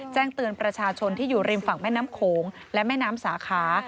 แจ้งเตือนประชาชนที่อยู่ริมฝั่งแม่น้ำโขงและแม่น้ำสาขา